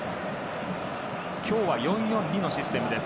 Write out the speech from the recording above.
今日は４−４−２のシステムです。